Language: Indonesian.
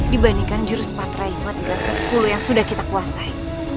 dibandingkan jurus patrihikmat tingkat ke sepuluh yang sudah kita kuasai